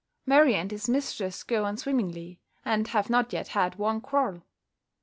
Murray and his mistress go on swimmingly, and have not yet had one quarrel.